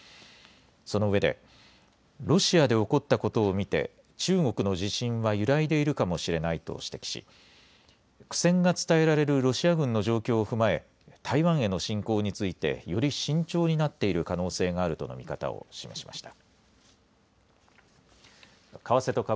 その上で、ロシアで起こったことを見て、中国の自信は揺らいでいるかもしれないと指摘し、苦戦が伝えられるロシア軍の状況を踏まえ、台湾への侵攻について、より慎重になっている可能性があるとの見方を示しました。